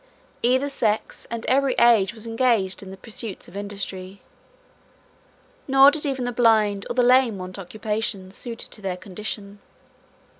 Either sex, and every age, was engaged in the pursuits of industry, nor did even the blind or the lame want occupations suited to their condition.